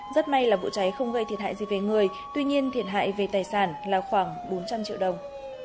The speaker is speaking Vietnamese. rất may là vụ cháy không gây thiệt hại gì về người tuy nhiên thiệt hại về tài sản là khoảng bốn trăm linh triệu đồng